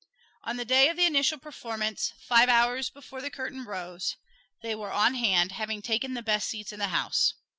On the day of the initial performance, five hours before the curtain rose, they were on hand, having taken the best seats in the house.